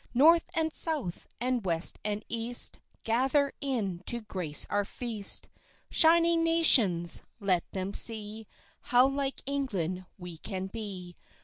North and south and west and east Gather in to grace our feast. Shining nations! let them see How like England we can be.